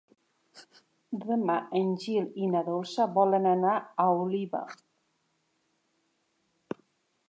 Demà en Gil i na Dolça volen anar a Oliva.